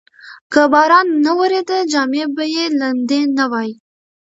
که باران نه وریده، جامې به یې لمدې نه وای.